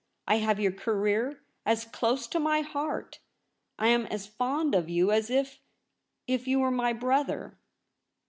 I have your career as close to my heart, I am as fond of you as if — if you were my brother.'